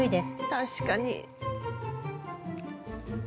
確かに。